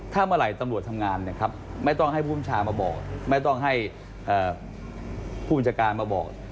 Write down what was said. ถ้าเมื่อไหร่ตำรวจทำงานเนี่ยครับไม่ต้องให้ผู้ชายมาบอกไม่ต้องให้ผู้จัดการมาบอก